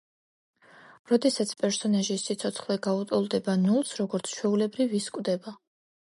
როდესაც პერსონაჟის სიცოცხლე გაუტოლდება ნულს, როგორც ჩვეულებრივ ის კვდება.